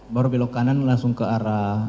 baru belok kanan langsung ke arah